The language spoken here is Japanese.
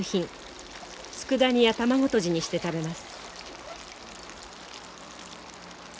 つくだ煮や卵とじにして食べます。